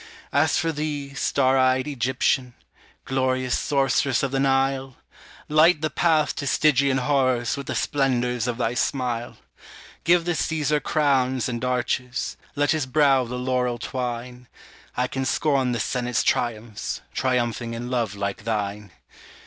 As for thee, star eyed Egyptian! Glorious sorceress of the Nile! Light the path to Stygian horrors With the splendors of thy smile. Give the Caesar crowns and arches, Let his brow the laurel twine; I can scorn the Senate's triumphs, Triumphing in love like thine.